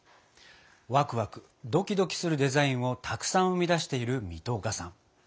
ワクワクドキドキするデザインをたくさん生み出している水戸岡さん。